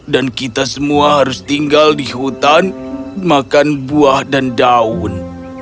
dan kita semua harus tinggal di hutan makan buah dan daun